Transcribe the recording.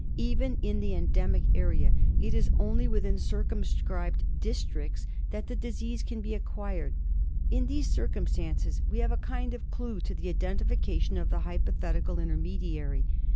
Even in the endemic area it is only within circumscribed districts that the disease can be acquired. In these circumstances we have a kind of clue to the identification of the hypothetical intermediary.